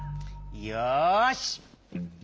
よし！